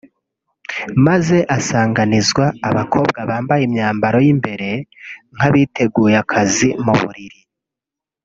maze asanganizwa abakobwa bambaye imyambaro y’imbere nk’abiteguye akazi mu buriri